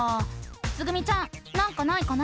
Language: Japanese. つぐみちゃんなんかないかな？